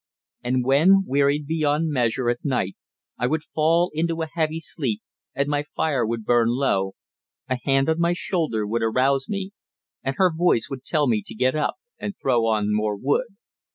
And when, wearied beyond measure at night, I would fall into a heavy sleep, and my fire would burn low, a hand on my shoulder would arouse me, and her voice would tell me to get up and throw on more wood.